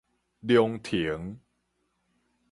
龍騰